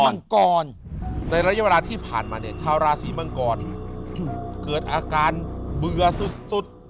มังกรในระยะเวลาที่ผ่านมาเนี่ยชาวราศีมังกรเกิดอาการเบื่อสุด